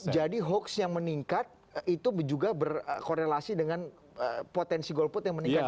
jadi hoax yang meningkat itu juga berkorelasi dengan potensi golput yang meningkat juga